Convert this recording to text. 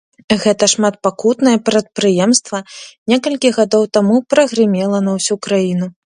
Гэта шматпакутнае прадпрыемства некалькі гадоў таму прагрымела на ўсю краіну.